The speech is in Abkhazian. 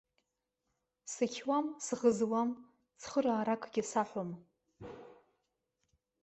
Сықьуам, сӷызуам, цхырааракгьы саҳәом.